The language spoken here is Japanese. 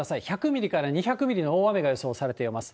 １００ミリから２００ミリの大雨が予想されています。